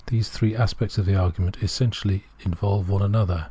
These three aspects of the argument essentially involve one another.